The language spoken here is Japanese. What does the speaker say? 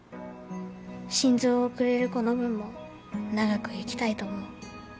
心臓をくれる子の分も長く生きたいと思う。